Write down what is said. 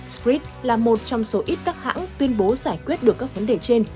sprit là một trong số ít các hãng tuyên bố giải quyết được các vấn đề trên